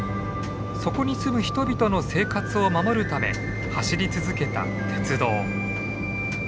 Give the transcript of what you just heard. そこに住む人々の生活を守るため走り続けた鉄道。